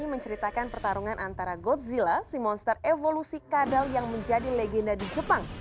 menceritakan pertarungan antara godzila si monster evolusi kadal yang menjadi legenda di jepang